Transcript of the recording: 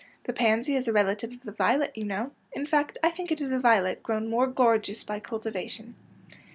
'' The pansy is a relative of the violet, you know. In fact, I think it is a violet grown more gorgeous by cultivation."